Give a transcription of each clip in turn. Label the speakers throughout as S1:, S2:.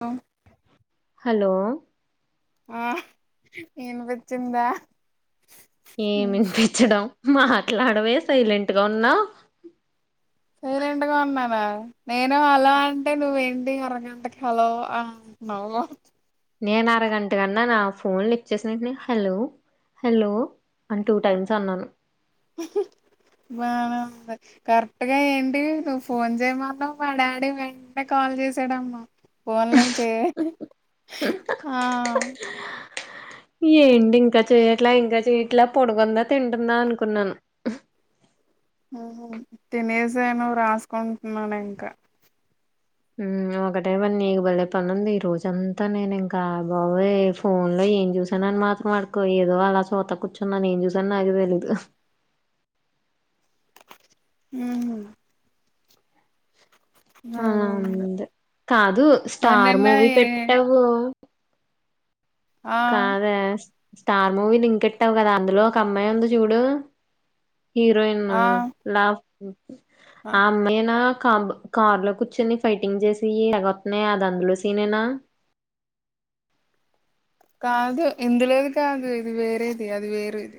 S1: అ
S2: hello
S1: ఆ వినిపిచ్చిందా
S2: ఏమ్ ఇనిపించడం మాట్లాడవే సైలెంట్ గా ఉన్నావ్
S1: సైలెంట్ గా ఉన్నానా నేను హలో అంటే నువ్వేంటి అరగంటకి హలో ఆ నవ్వక్
S2: నేను అరగంటకి అన్నాన ఫోన్ లిఫ్ట్ చేసిన ఎంటనే హలో హలో అని టూ టైమ్స్ అన్నాను
S1: బానేఉంది కరెక్ట్గా ఏంటి నువ్వు ఫోన్ జేయమన్నవ్ మా డాడి వెంటనే క కాల్ చేసాడమ్మా పోన్ లేంచే ఆ..
S2: ఏంటి ఇంకా చెయ్యట్లే ఇంకా చెయ్యట్లే పొడుకుంద తింటుందా అనుకున్నాను
S1: మ్మ్ హు తినేసాను రాస్కుంటున్నాను ఇంక
S2: మ్ ఒకటేపని నీకు భలే పని ఉంది ఈ రోజంతా నేను ఇంకా బాబోయ్ ఫోన్లో ఏం జూసాను అని మాత్రం అడక్కు ఏదో అలా సూత కూర్చున్న ఏం చూసానో నాకే తెలీదు
S1: మ్మ్
S2: ఆ
S1: ఉంది
S2: అందే కాదు
S1: మరి
S2: స్టార్
S1: నిన్న
S2: మూవీ
S1: ఏ
S2: పెట్టవూ
S1: ఆ
S2: కాదే స్టార్ మూవీ లింకెట్టవ్ కదా అందులో ఒక అమ్మాయి ఉంది జూడు హీరోయిను
S1: ఆ
S2: లాఫు ఆ అమ్మాయేనా కాబ్ కార్ లో కూర్చొని ఫైటింగ్ జేసీయి తెగవత్నాయ్ అది అందులో సీనేనా
S1: కాదు ఇందులోది కాదు ఇది వేరేది అది వేరేది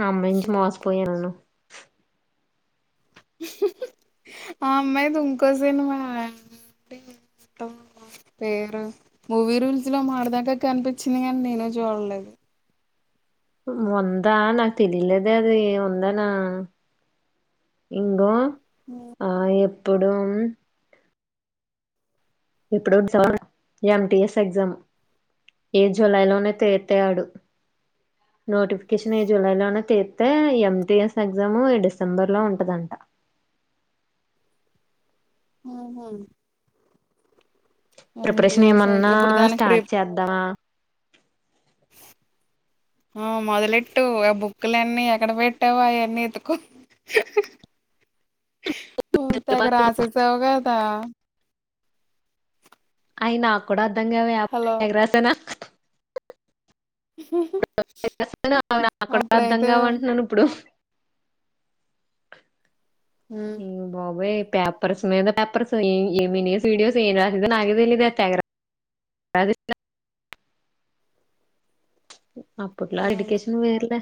S2: నమ్మించి మోస పోయిన్ననవ్
S1: అ అమ్మాయిది ఇంకో సినిమా తుంబా పేరు మూవీ రూల్స్ లో మొన్నడదాకా కనిపించింది కాని నేనే జూడలేదు
S2: ఉందా నాకు తెలిలేదే అది ఉందాన ఇంగో ఆ ఎప్పుడుమ్ ఇప్పుడు ఎమ్టిఎస్ ఎగ్జామ్ ఏ జూలైలోనే తీత్తే ఆడు నోటిఫికేషన్ ఈ జులై లోనే తీత్తే ఎంటిఎస్ ఎగ్జాము ఈ డిసెంబర్ లో ఉంటదంట
S1: మ్ హు
S2: ప్రిపరేషన్ ఏమన్నా
S1: ఇప్పుడు దానికి ప్రి
S2: స్టార్ట్ చేద్దా
S1: ఆ మొదలెట్టు ఆ బుక్కులన్ని ఎక్కడ పెట్టావో అయన్నీ ఎతుకు ఓ తెగ రాసేసావ్ గద
S2: అయి నాకు కూడా అర్ధ గావే
S1: హలో
S2: తెగ రాసాన తెగ రాశాన అవి నాకు కూడ
S1: అప్పుడైతే
S2: అర్ధంగావు అంటున్నాను ఇప్పుడు
S1: ఉమ్,
S2: ఇంగ బాబోయ్ పేపర్స్ మీద పేపర్స్ ఏం ఏం వినేసి వీడియోస్ ఏం రాశానో నాకే తెలిదే తెగ రా రాసేసిందా అప్పట్లో ఆ ఎడుకేషన్ వేర్లే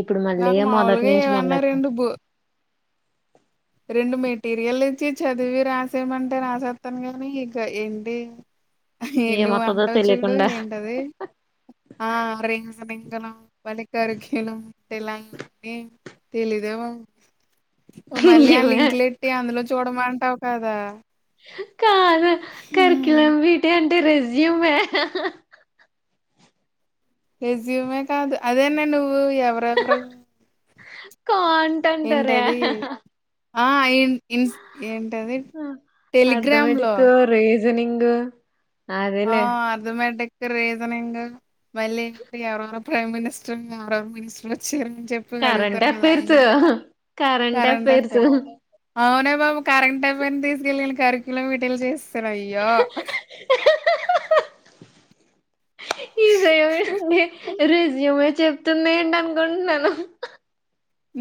S2: ఇప్పుడు మళ్ళీ
S1: నాకు
S2: మొదటి
S1: మాములుగా
S2: నుంచి
S1: ఏవన్నా
S2: మొదలెట్టాలి
S1: రెండు బు రెండు మెటీరియల్ ఇచ్చి చదివి రాసేమంటే రాసేత్తాను గాని ఇక ఏంటి నువ్వు
S2: ఏమొత్తదో
S1: అంటావ్ చూడు
S2: తెలియకుండా
S1: ఏంటది ఆ రింగ్స్ ఎలిగలం వనికరుక్షులమ్ టిలైన్ ఏ తెలీదే బాబు మళ్ళీ ఆ
S2: ఏమే
S1: లింక్లులెట్టి అందులో చూడ మంటావు కదా
S2: కాదు
S1: హ్మ్.
S2: కర్కిలాం వీటే అంటే రేస్యుమే
S1: రేజ్యూమే కాదు అదేన్న నువ్వు నువ్వు ఎవరేవరు ఎవరేవరు
S2: కాంట్ అంటారే
S1: ఏంటది ఆ ఇన్ ఏంటది టెలిగ్రామ్లో
S2: జనింగ్
S1: ఆ అర్ధమాటిక్ రీజనింగ్ మళ్ళీ prime minister are are minister వచ్చారు [unintelligible] చెప్పు
S2: కరెంట్
S1: అడుగుతారు కదా అయ
S2: అఫైర్స్ కరెంట్
S1: కరంటే
S2: అఫైర్స్
S1: సారు [unintelligible] అవునే బాబు కరెంట్ అఫైర్ ను తీసుకెళ్ళి కరికులం వీటీలు చేసేసరు అయ్యో
S2: [inaudible] ఈజయమే రెస్యుమే చెప్తుంది ఏంటనుకుంటున్నాను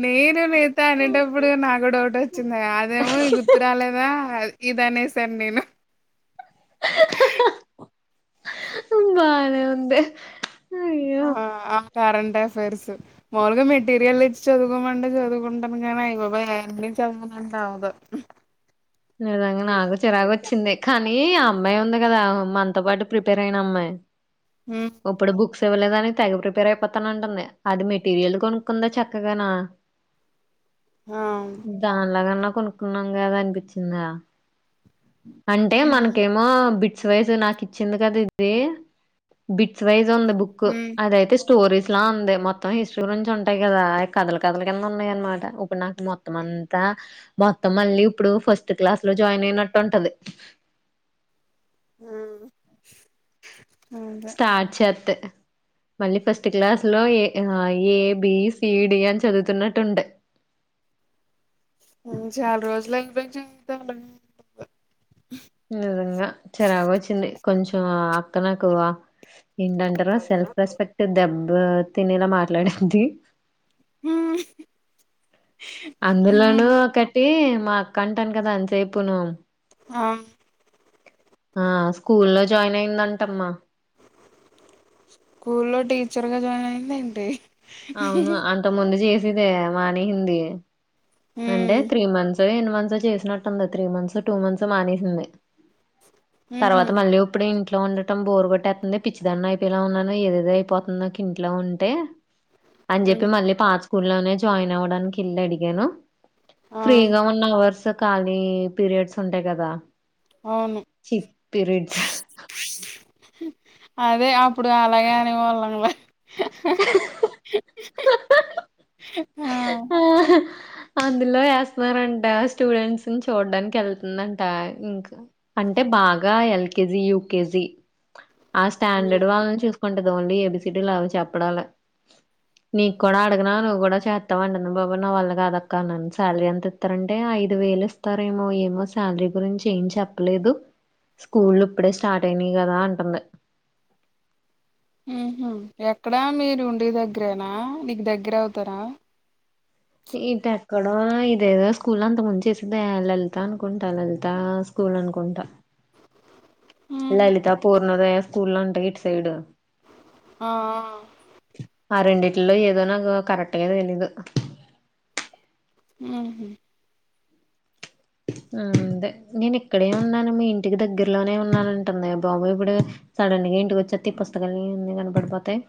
S1: నేను నేత అనేటప్పుడు నాకు డౌట్ వచ్చింది అదేమో గుర్తు రాలేదా అ ఇదనేసాను నేను
S2: బానే ఉంది అయ్యో
S1: ఆ కరెంట్ అఫైర్స్ మాములుగా మెటీరియల్ ఇచ్చి చదుకోమంటే చదువుకుంటాం కానీ అయ్య బాబోయు జమనందవుదు [unintelligible]
S2: విధంగా నాకు చిరాగ్ వచ్చింది కానీ అమ్మాయి ఉంది కదా మనతో పాటు ప్రిపేర్ అయిన అమ్మాయి
S1: హ్మ్
S2: ఒప్పుడు బుక్స్ ఇవ్వలేదని తెగ ప్రిపేర్ అయిపోతానంటుంది అది మెటీరియల్ కొనుక్కుందా చక్కగాను
S1: ఆ
S2: దానిలాగన్నా కొనుక్కున్నాం కదా అనిపించిందా అంటే
S1: హ్మ్
S2: మనకేమో బిట్స్ వైస్ నాకు ఇచ్చింది కదా ఇది బిట్స్ వైస్ వుంది బుక్
S1: హ్మ్
S2: అదయితే స్టోరీస్ లా ఉంది మొత్తం హిస్టరీ గురించి ఉంటాయి కదా అ కథల కథల కింద ఉన్నాయి అనమాట ఇప్పుడు నాకు మొత్తం అ అంతా మొత్తం మళ్ళీ ఇప్పుడు ఫస్ట్ క్లాస్ లో జాయిన్ అయినట్ ఉంటది
S1: ఉం
S2: స్టార్ట్ చేత్తే మళ్ళీ ఫస్ట్ క్లాస్ లో A A B C D అని చదువుతున్నట్టు ఉంటయి
S1: ఉం చాలా రోజులు అని పించి
S2: నిజంగా చిరాగు వచ్చింది కొంచెం అక్క నాకు ఏంటంటారు సెల్ఫ్ రెస్పెక్ట్ దెబ్బ తినేలా మాట్లాడింది
S1: ఉం
S2: అందులోనూ ఒకటి మా అక్క అంటాను కదా అంతసేపును
S1: ఆ
S2: ఆ స్కూల్ లో జాయిన్ అయిందంటమ్మా
S1: స్కూల్ లో టీచర్గా జాయిన్ అయిందా ఏంటి
S2: అవును అంత ముందు చేసిదే మానేసింది అంటే
S1: ఉమ్
S2: త్రీ మంత్స్ ఎన్ని మంత్స్ చేసినట్టుంది త్రీ మంత్స్ టూ మంత్స్ మానేసింది
S1: ఉహు
S2: తర్వాత మళ్ళీ ఇప్పుడే ఇంకా ఇంట్లో ఉండటం బోరు కొట్టేతుంది పిచ్చిదాన్ని అయిపోయేలా ఉన్నాను ఏదేదో అయిపోతుందో నాకు ఇంట్లో ఉంటే అని చెప్పి
S1: ఉమ్
S2: మళ్ళీ పాత స్కూ లోనే జాయిన్ అవ్వడానికి ఇళ్లు అడిగాను
S1: ఆ
S2: ఫ్రీగా ఉన్ అవర్స్ ఖాళీ పీరియడ్స్ ఉంటాయి కదా
S1: అవును
S2: చి పిరిడ్స్
S1: అదే అప్పుడు అలాగేఅనే వాళ్ళు హా
S2: ఆహ అందులో ఏస్తున్నారంట స్టూడెంట్స్ని చూడ్డానికి ఎళ్తుందంట ఇంక అంటే బాగా ఎల్కెజి యూకేజి
S1: చ్చు
S2: ఆ స్టాండెడ్ వాళ్ళని చూస్ కుంటదు ఓన్లీ ఏబిసిడీ అవి చెప్పడాలే నీకు కూడా అడగనా నువ్వు కూడా చే వస్తావ అంటన్న బాబో నా వాళ్ళగాదక్క అనింది శాలరీ ఎంత ఇస్తారంటే ఐదు వేలు ఇస్తారేమో ఏమో శాలరీ గురించి ఏం చెప్పలేదు స్కూల్లు ఇప్పుడే స్టార్ట్ అయినాయి గదా అంటుంది
S1: హ్ ఉహ ఎక్కడా మీరు ఉండే దగ్గరేనా నీకు దగ్గర అవుతారా
S2: ఇటు ఎక్కడో ఇదేదో స్కూల్ అంత ముంచేసింది లలిత అనుకుంటా లలిత స్కూల్ అనుకుంటా
S1: ఉహు
S2: లలిత పూర్ణోదయా స్కూల్లంట ఇటు సైడు
S1: ఆ
S2: ఆ రెండిట్లో ఏదో నాకు కరెక్ట్ గా దెలీదు
S1: ఆహ
S2: ఊ దే నేను ఇక్కడే ఉన్నాను మీ ఇంటికి దగ్గరలోనే ఉన్నానంటుంది బాబోయ్ ఇప్పుడు సడన్గా ఇంటికొచ్చేత్తే ఈ పుస్తకాలు అన్ని కనబడిపోతాయ్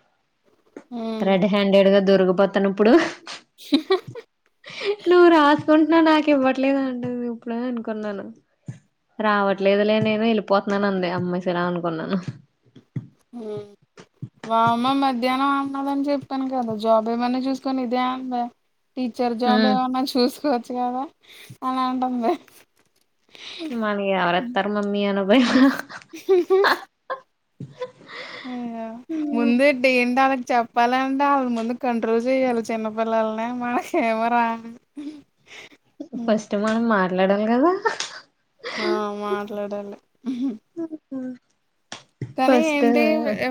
S1: ఉ
S2: రెడ్ హ్యాండెడ్ గా దొరికిపోతాను ఇప్పుడు నువ్వు రాసుకుంటున్నావ్ నాకు ఇవ్వట్లేదంటుందీ అప్పుడే అనుకున్నాను రావట్లేదులే నేను ఎళ్ళిపోతున్నాను అంది అమ్మా సరే అనుకున్నాను
S1: ఊ వామ్మ మధ్యానం అన్నదని చెప్పాను కదా జాబ్ ఏమన్నా చూసుకోని ఇదే అందే టీచర్ జాబ్
S2: ఉమ్
S1: ఏమన్నా చూసుకోవచ్చు కదా అలా అంటుంది
S2: మనగి ఎవరేత్తారు మమ్మీ అనభయ్
S1: హా హా
S2: హ
S1: అయ్యో ముందే డేండాల్ చెప్పాలంటే ఆళ్ళ ముందు కంట్రోల్ జేయాల్ల చిన్నపిల్లలని మనకేమో రాదు
S2: ఫస్టు మనం మాట్లాడాలి కదా
S1: ఆ మాట్లాడాలి కానీ
S2: ఫస్ట్
S1: ఏంటి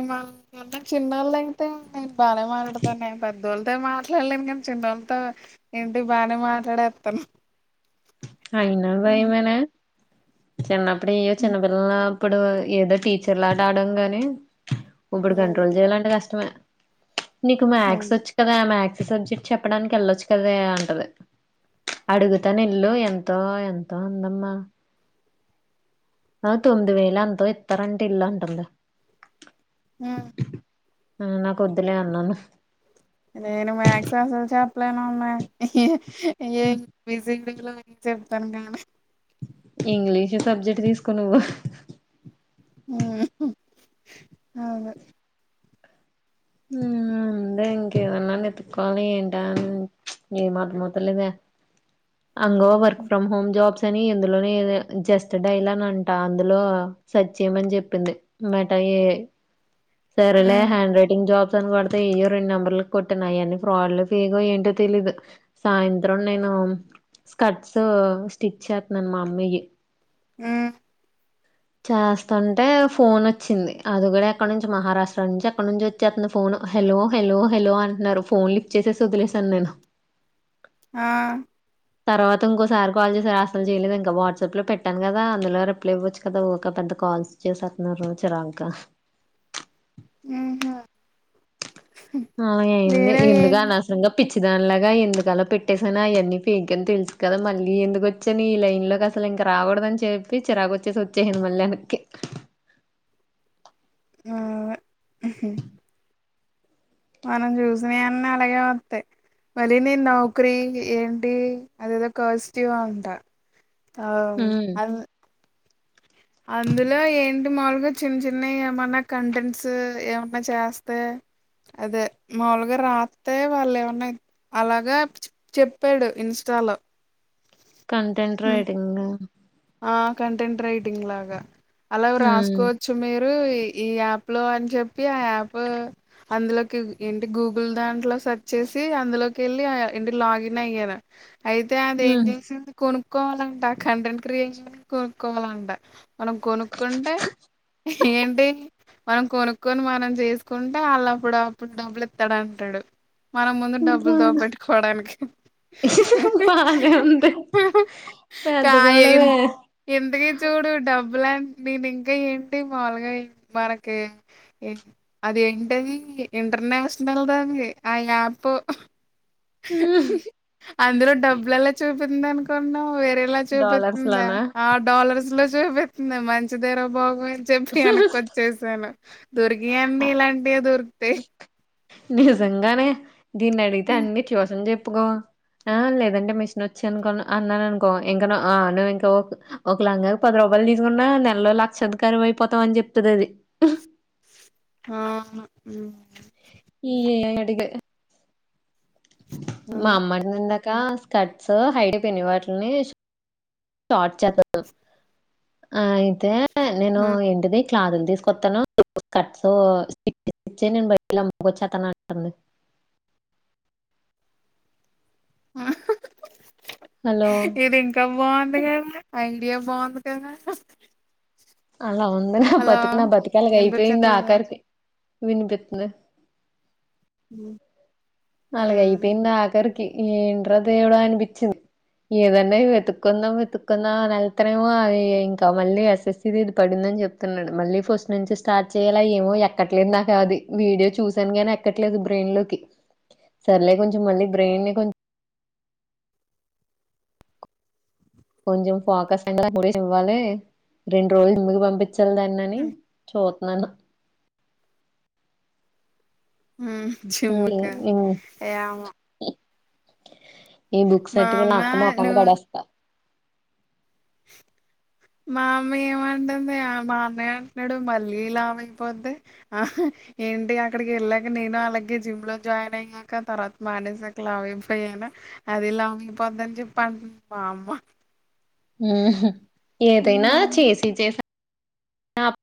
S1: మాన్న చిన్నళ్ళు అయితే నేను బానే మాట్లాడతాను నేన్ పె పెద్దోల్లతో మాట్లాల్లేను గానీ చిన్నోళ్ళతో ఏంటి బానే మాట్లాడేత్తను
S2: అయిన బయమనే చిన్నప్పుడిగ చిన్నపిల్లలా ఇప్పుడు ఏదో టీచర్ లాట ఆడం గాని ఇప్పుడు కంట్రోల్ చేయాలంటే కష్టమే నీకు మ్యాక్సొచ్చు కదా మ్యా సబ్జెక్ట్ చెప్పడానికి వెళ్ళొచ్చు కదే అంటది అడుగుతా నెల్లు ఎం ఎంతో ఎంతో అందమ్మా ఆ తొమ్మిది వేలు అంతో ఇత్తారంట ఎల్లు అంటుంది
S1: ఆ
S2: ఆ నా కొద్దులే అన్నాను
S1: నేను మాక్స్ అస్సలు చెప్పలేను అమ్మే చెప్తాను కానీ
S2: ఇంగ్లీషు సబ్జెక్ట్ తీసుకో నువ్వు
S1: ఆ అవును
S2: ఆ అందే ఇంకేదన్నా ఎత్తుకోవాలి ఏంట అ ఏ మర్ధమొతలేదా అంగ వర్క్ ఫ్రమ్ హోమ్ జాబ్స్ అని ఇందులోనే జస్ట్ డైలా అంట అందులో సర్చ్ చేమని చెప్పింది మ సరెలే
S1: ఉమ్,
S2: హ్యాండ్ రైటింగ్ జాబ్ కొతే ఇయ్యో రెండు నెంబర్లు కొట్టిన అయ్ అన్ని ఫ్రాడ్లు ఫేగో ఏంటో తెలీదు సాయంత్రం నేను ఆ స్కర్ట్స్ స్టిచ్ చేత్తనన్ మమ్మీ యి
S1: ఉ
S2: చేస్తాంటే ఫోన్ వచ్చింది. అది కూడా ఎక్కడ నుంచి మహారాష్ట్ర నుంచి ఎక్కడ నుంచి వచ్చేస్తుంది ఫోన్ హలో హలో హలో అంటున్నారు. ఫోన్ లిఫ్ చేసేసి వదిలేశాను నేను.
S1: ఆ
S2: తర్వాత ఇంకోసారి కాల్ చేసారు. అసలు చేయలేదు ఇంకా. వాట్సాప్ లో పెట్టాను కదా. అందులో రిప్లై ఇవ్వచ్చు కదా. ఊక పెద్ద ఎంత కాల్స్ చేసేస్తన్నారు చిరాగ్గా
S1: ఆహా
S2: హా అయింది ఎందుగా అనవసరంగా పిచ్చిదాని లాగా ఎందుకు అలా పెట్టేసాను. అవన్నీ ఫేక్ అని తెలుసు కదా. మళ్ళీ ఎందుకు వచ్చని ఈ లైన్ లో అస అసలు ఇంక రాకూడదు అని చెప్పి చిరాకు వచ్చేసి వచ్చేసాను మళ్ళీ ఎనక్కి.
S1: ఆ మనం చూసిన అన్న అలాగే వత్తాయ్ మళ్ళీ నేను నౌకరీ ఏంటి అదేదో కాజిటివ్ ఉంటా అవు
S2: హ్మ్
S1: అ అందులో ఏంటి మాములుగా చిన్న చిన్న ఏమన్నా కంటెంట్స్ ఏమన్నా చేస్తే అదే మాములుగా రాత్తే వాళ్ళు ఏమన్నా అలాగా చెప్పాడు ఇన్స్ట చలో
S2: కంటెంట్ రైటింగ్
S1: ఆ కంటెంట్ రైటింగ్ లాగా అలా
S2: హ్మ్.
S1: రాసుకోవచ్చు మీర్ ఈ యాప్ లో అని చెప్పి ఆ యాప్ అందులోకి ఏంటి గూగుల్ దాంట్లో సర్చ్ చేసి అందులోకి వెళ్ళి ఇంటి లాగిన్ అయ్యాను. అయితే అదేం
S2: హ్మ్.
S1: చేసింది. కొనుక్కోవాలంట ఆ కంటెంట్ క్రిన్ కొనుక్కోవాలంట మనం కొనుక్కుంటే ఏంటి మనం కొనుక్కోని మనం చేసుకుంటే వాళ్ళప్పుడు అప్పుడు డబ్బులు ఇత్తాడం డు మన ముందు డబ్బులుతో పెట్టుకోవడానికి
S2: పెద్దగావా
S1: ఎందుకే చూడు డబ్ ఇలా నేను ఇంకా ఏంటి మాములుగా మనకి అది ఏంటది ఇంటర్నేషనల్ దాండి ఆ యాప్
S2: ఉహ్
S1: అందులో డబ్బులు ఎలా చూపింది అనుకున్నావ్. వేరేలా
S2: డాలర్స్
S1: చూపిత్తందా
S2: లోనా
S1: ఆ డాలర్స్ లో చూపిత్తుందా మంచిదేర బాగ చెప్పి వెనక్కి వచ్చేసాను. దొరికివన్నీ ఇలాంటివే దొరికితై
S2: నిజంగానే దీన్ని అడిగితే
S1: హ్మ్.
S2: అన్ని చూసం చెప్పుకో ఆ లేదండి మిషన్ వచ్చి అనుకో అన్నా అన్నాను అనుకో ఇంకా ను అ నువ్వు ఇంకా ఓక్ ఒక లాంగాకి పది రూపా వల్ తీసుకున్న నెలలో లక్షదికారు అయిపోతాం అని చెప్తుంది అది అహ్
S1: అవును ఉ
S2: ఈ ఏ అడిగే మా
S1: అదే.
S2: అమ్మన్ నున్నక్ ఇంకా స్కర్ట్స్ హైడ్ పిన్ని వాటిలిని షార్ట్ చేత్తను అయితే నేను
S1: హ్మ్.
S2: ఏంటిది క్లాతులు తీసుకొత్తాను స్కట్స్ నేను బయటి కెళ్ళి అమ్ముకొచ్చెతాను అంటంది.
S1: [inaudible]
S2: హలో!
S1: అహ్హ్హ్ ఇది ఇంకా బావుంది కదా ఐ ఐయే బావుంది కదా అహ్
S2: అలా ఉంది హ్ నా బతుకు నా బతుకు అలాగ అయిపోయింది
S1: వినిపించట్లేదా?
S2: ఆకరికి వినిపిత్తంద
S1: ఉ
S2: అలాగా అయిపోయింది ఆకరికి ఏంట్ర దేవుడా అనిపించింది. ఏదన్నా వెతుకుందాం వెతుకుందాం వెళ్తనేమో అది ఇంకా మళ్ళీ అసిసి ఇది పడింది. చెప్తున్నాడు మళ్ళీ ఫస్ట్ నుంచి స్టార్ట్ చేయాల ఏమో ఎక్కట్లేదు నాకు అది వీడియో చూసాను కానీ ఎక్కట్లేదు. అది బ్రెయిన్ లోకి సరేలే కొంచెం మళ్ళీ బ్రెయిన్ని కొంచం కొంచెం ఫోకస్ అన్నప్పుడేసి ఇవ్వాలి రెండు రోజులు మిగు పంపి చ్చన్ దన్నన్ని
S1: హ్మ్.
S2: చూతున్నాను
S1: ఉ జుమ్ముకా
S2: హ్మ్
S1: ఏమొ
S2: ఈ బుక్స్ అట్టుకెళ్ళి
S1: అమ్మ
S2: అక్క మోకాన్ని
S1: నువ్వు
S2: పడేస్తా
S1: [inaudible] మా అమ్మ ఏమంటంది ఆ మా అన్నయ్య అంటున్నాడు మళ్ళీ లావు అయిపోద్ధి అహ్ ఏంటి అక్కడికి వెళ్ళాక నేను అలాగే జిమ్ లో జాయిన్ అయ్యాక తర్వాత మానేసాక లావు అయిపోయా నేన అదిలావయిపోద్దని చెప్పి అంటంది మా అమ్మ
S2: ఉహ్ ఏదైనా చేసి చేసి ఆ